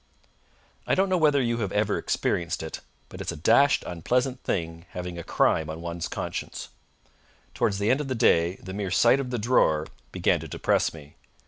I don't know whether you have ever experienced it, but it's a dashed unpleasant thing having a crime on one's conscience. Towards the end of the day the mere sight of the drawer began to depress me.